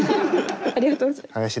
ありがとうございます。